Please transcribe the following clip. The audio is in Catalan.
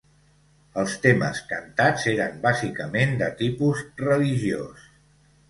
Els temes cantats eren bàsicament de tipus religiós.